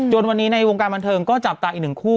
วันนี้ในวงการบันเทิงก็จับตาอีกหนึ่งคู่